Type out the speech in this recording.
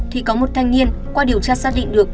thì có một thanh niên qua điều tra xác định được